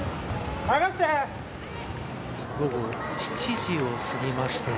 午後７時を過ぎました。